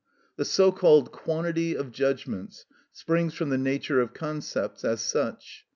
The so called Quantity of judgments springs from the nature of concepts as such.